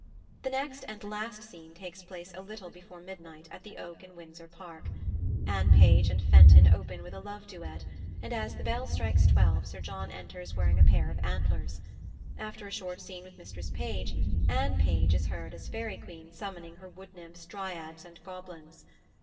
The next and last scene takes place a little before midnight, at the oak in Windsor Park. Anne Page and Fenton open with a love duet, and as the bell strikes twelve Sir John enters wearing a pair of antlers. After a short scene with Mistress Page, Anne Page is heard as Fairy Queen summoning her wood nymphs, dryads, and goblins.